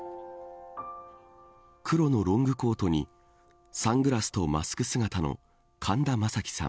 黒のロングコートにサングラスとマスク姿の神田正輝さん。